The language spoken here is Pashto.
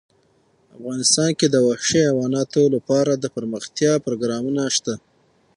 افغانستان کې د وحشي حیوانات لپاره دپرمختیا پروګرامونه شته.